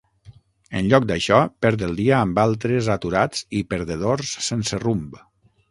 En lloc d'això, perd el dia amb altres aturats i "perdedors" sense rumb.